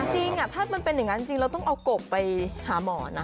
จริงถ้ามันเป็นอย่างนั้นจริงเราต้องเอากบไปหาหมอนะ